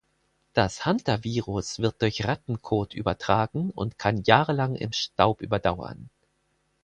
Das Hantavirus wird durch Rattenkot übertragen und kann jahrelang im Staub überdauern.